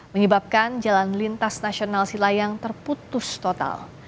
menyebabkan jalan lintas nasional silayang terputus total